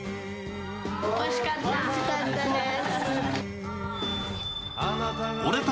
おいしかった。